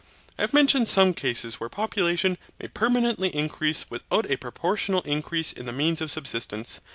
I have mentioned some cases where population may permanently increase without a proportional increase in the means of subsistence.